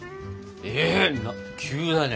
え急だね。